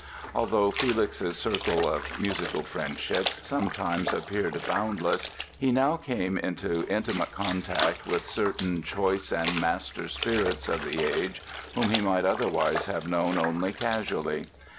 And although Felix's circle of musical friendships sometimes appeared boundless he now came into intimate contact with certain choice and master spirits of the age whom he might otherwise have known only casually.